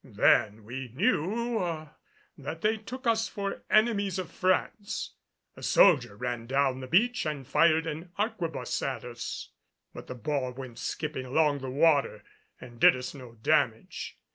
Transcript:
Then we knew that they took us for enemies of France. A soldier ran down the beach and fired an arquebus at us, but the ball went skipping along the water and did us no damage.